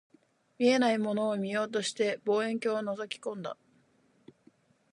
見えないものを見ようとして、望遠鏡を覗き込んだ